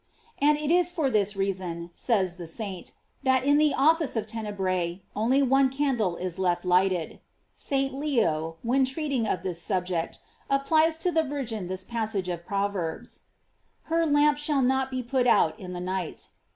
* And it is for this reason, says the saint, that in the office of Tenebrse, only one candle is left lighted. St. Leo, when treating of this subject, applies to the Virgin this pas sage of Proverbs: "Her lamp shall not be put out in the night."